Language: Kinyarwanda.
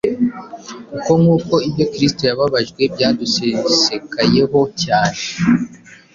kuko nk’uko ibyo Kristo yababajwe byadusesekayeho cyane,